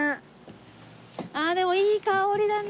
ああでもいい香りだな。